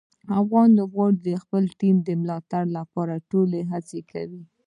افغان لوبغاړي د خپلې ټیم د ملاتړ لپاره ټولې هڅې کوي.